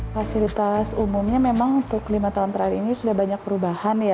fasilitas umumnya memang untuk lima tahun terakhir ini sudah banyak perubahan ya